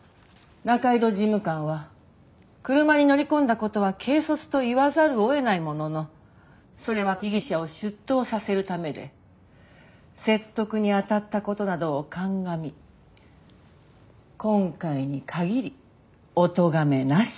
仲井戸事務官は車に乗り込んだ事は軽率と言わざるを得ないもののそれは被疑者を出頭させるためで説得に当たった事などを鑑み今回に限りおとがめなし。